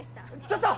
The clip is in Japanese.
ちょっと！